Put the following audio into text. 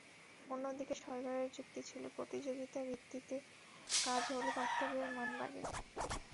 অন্যদিকে সরকারের যুক্তি ছিল, প্রতিযোগিতার ভিত্তিতে কাজ হলে পাঠ্যবইয়ের মান বাড়বে।